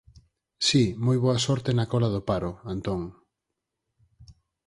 Si. Moi boa sorte na cola do paro, Antón.